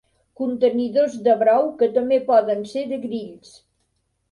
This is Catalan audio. Contenidors de brou que també poden ser de grills.